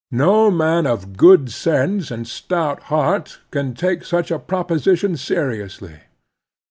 No man of good sense and stout heart can talce such a proposition seriously.